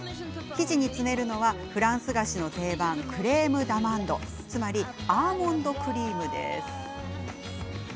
生地に詰めるのはフランス菓子の定番クレーム・ダマンドつまり、アーモンドクリームです。